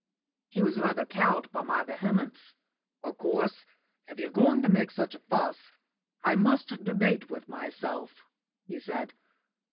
He was rather cowed by my vehemence. "Of course, if you're going to make such a a fuss, I must debate with myself," he said.